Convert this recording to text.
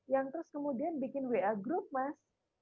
yang terus kemudian bikin wa group mas